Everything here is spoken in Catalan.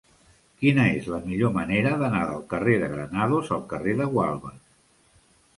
Quina és la millor manera d'anar del carrer de Granados al carrer de Gualbes?